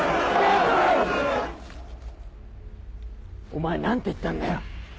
お前何て言ったんだよ？